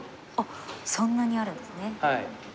そんなにあるんですね。